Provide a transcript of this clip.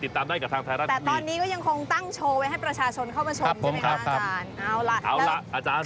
ติดตามได้กับทางไทยรัฐแต่ตอนนี้ก็ยังคงตั้งโชว์ไว้ให้ประชาชนเข้ามาชมใช่ไหมคะอาจารย์